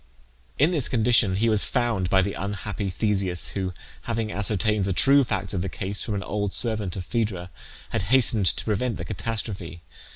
In this condition he was found by the unhappy Theseus, who, having ascertained the true facts of the case from an old servant of Phaedra, had hastened to prevent the catastrophe.